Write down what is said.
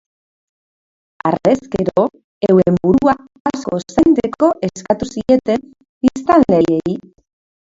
Harrezkero, euren burua asko zaintzeko eskatu zieten biztanleei.